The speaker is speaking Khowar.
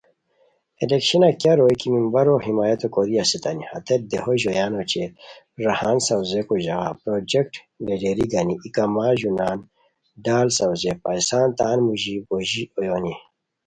الیکشنہ کیہ روئے کی ممبرو حمایتو کوری اسیتانی ہتیت دیہو ژویان اوچے راہان ساؤزئیکو ژاغا پراجیکٹ لیڈری گنی ای کمہ ژونان ڈال ساؤزیئے پیسان تان موژی بوژی اویونی